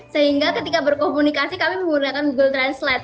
sehingga ketika berkomunikasi kami menggunakan google translate